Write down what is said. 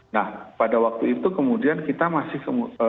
nah pada waktu itu kemudian kita masih